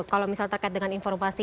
kalau misalnya terkait dengan informasi